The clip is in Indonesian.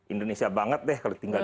indonesia banget deh kalau tinggal di